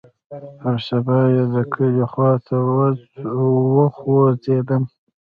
پر سبا يې د کلي خوا ته وخوځېدم.